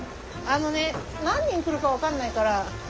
あのね何人来るか分かんないから。